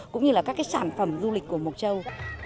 cũng như là các cái sản phẩm du lịch của mộc châu